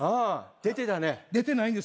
出てないんですよ。